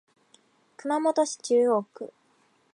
熊本市中央区